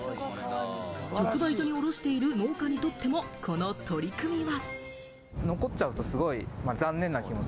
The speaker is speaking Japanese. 直売所に卸している農家にとっても、この取り組みは。